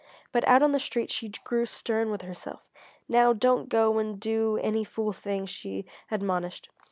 But out on the street she grew stern with herself. "Now don't go and do any fool thing," she admonished.